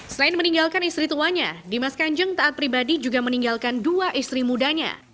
selain meninggalkan istri tuanya dimas kanjeng taat pribadi juga meninggalkan dua istri mudanya